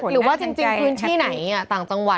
หรือว่าจริงพื้นที่ไหนต่างจังหวัด